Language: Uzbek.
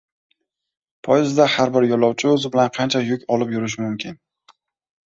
Poyezdda har bir yo‘lovchi o‘zi bilan qancha yuk olib yurishi mumkin?